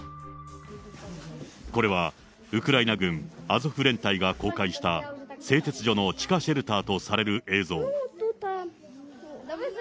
これは、ウクライナ軍アゾフ連隊が公開した、製鉄所の地下シェルターとされる映像。